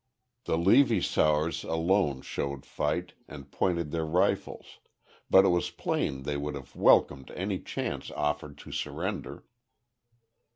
The Levy sowars alone showed fight, and pointed their rifles, but it was plain they would have welcomed any chance offered to surrender.